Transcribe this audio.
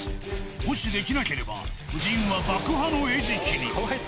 もしできなければ、夫人は爆破の餌食に。